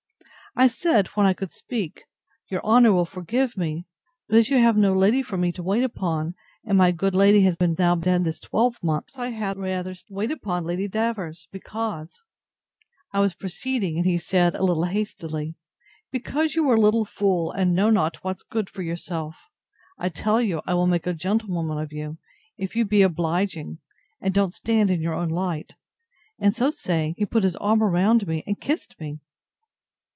I said, when I could speak, Your honour will forgive me; but as you have no lady for me to wait upon, and my good lady has been now dead this twelvemonth, I had rather, if it would not displease you, wait upon Lady Davers, because— I was proceeding, and he said, a little hastily—Because you are a little fool, and know not what's good for yourself. I tell you I will make a gentlewoman of you, if you be obliging, and don't stand in your own light; and so saying, he put his arm about me, and kissed me!